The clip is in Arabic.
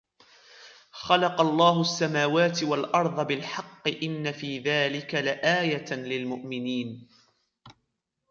خَلَقَ اللَّهُ السَّمَاوَاتِ وَالْأَرْضَ بِالْحَقِّ إِنَّ فِي ذَلِكَ لَآيَةً لِلْمُؤْمِنِينَ